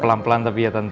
pelan pelan tapi ya tante